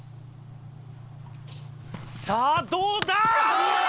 さあどうだ。